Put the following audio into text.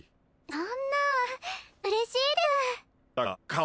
そんなうれしいです！